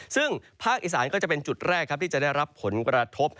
ซึ่งภาคอีสานก็จะเป็นจุดแรกครับที่จะได้รับผลกระทบ